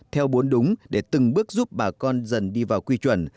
theo bốn đúng để từng bước giúp bà con dần đi vào quy chuẩn